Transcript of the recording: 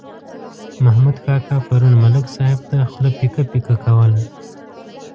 محمود کاکا پرون ملک صاحب ته خوله پیکه پیکه کوله.